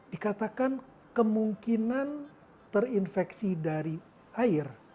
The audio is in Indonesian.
dikatakan kemungkinan terinfeksi dari covid sembilan belas